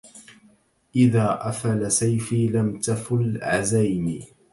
إذا أفل سيفي لم تفل عزايمي